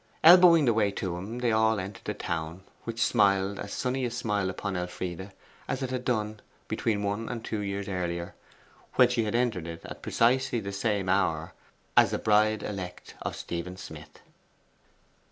Elbowing their way to him they all entered the town, which smiled as sunny a smile upon Elfride as it had done between one and two years earlier, when she had entered it at precisely the same hour as the bride elect of Stephen Smith.